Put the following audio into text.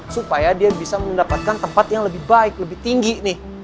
supaya dia bisa mendapatkan tempat yang lebih baik lebih tinggi nih